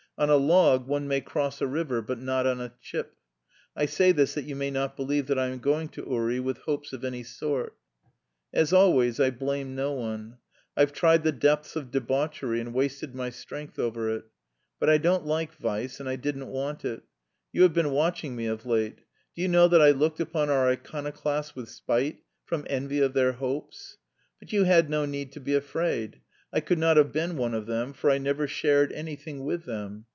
On a log one may cross a river but not on a chip. I say this that you may not believe that I am going to Uri with hopes of any sort. "As always I blame no one. I've tried the depths of debauchery and wasted my strength over it. But I don't like vice and I didn't want it. You have been watching me of late. Do you know that I looked upon our iconoclasts with spite, from envy of their hopes? But you had no need to be afraid. I could not have been one of them for I never shared anything with them.